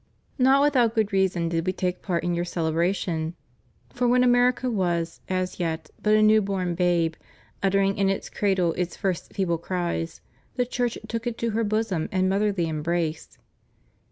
Not without good reason did We take part in your cele bration. For when America was, as yet, but a new bom babe, uttering in its cradle its first feeble cries, the Church took it to her bosom and motherly embrace.